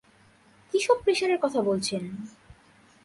কিসব প্রেশারের কথা বলছেন?